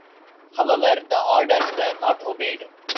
However, the orders were not obeyed.